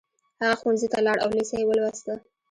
هغه ښوونځي ته لاړ او لېسه يې ولوسته.